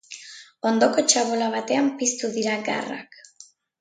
Ondoko txabola batean piztu dira garrak.